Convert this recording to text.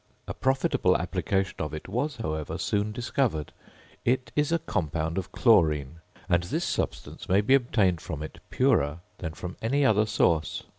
A profitable application of it was, however, soon discovered: it is a compound of chlorine, and this substance may be obtained from it purer than from any other source.